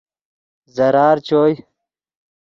ضرار چوئے